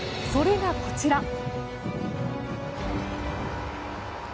それがこちら。